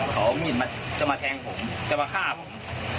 เขามีดจะมาแทงผมจะมาฆ่าผม